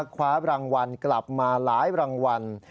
คว้ารางวัลกลับมาหลายรางวัล